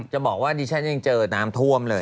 จะบอกว่าดิฉันยังเจอน้ำท่วมเลย